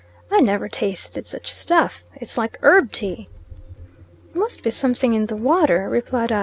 "I never tasted such stuff. It's like herb tea." "It must be something in the water," replied I.